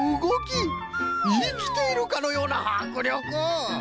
いきているかのようなはくりょく！